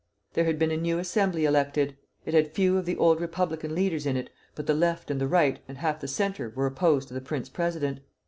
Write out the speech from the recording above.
There had been a new Assembly elected. It had few of the old republican leaders in it, but the Left and the Right and half the Centre were opposed to the prince president.